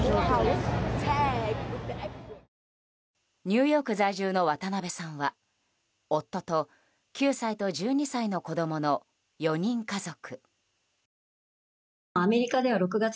ニューヨーク在住の渡辺さんは夫と、９歳と１２歳の子供の４人家族。